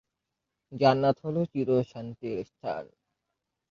জান্নাত হলো চির-শান্তির স্থান।